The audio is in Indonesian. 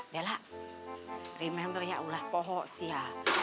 bella remember ya ulah pohok siya